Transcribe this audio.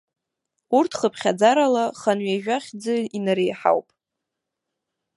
Урҭ хыԥхьаӡарала ханҩеижәа хьӡы инареиҳауп.